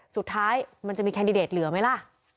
สุดท้ายมันจะมีแคนดิเดตเหลือไหมล่ะ